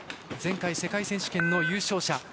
前回、世界選手権の優勝者。